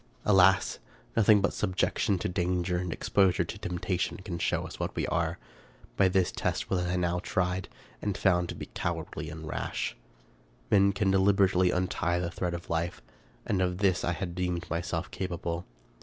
Alas! nothing but subjection to danger and exposure to temptation can show us what we are. By this test was I now tried, and found to be cowardly and rash. Men can deliberately untie the thread of life, and of this I had deemed myself capable.